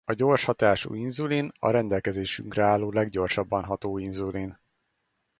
A gyors hatású inzulin a rendelkezésünkre álló leggyorsabban ható inzulin.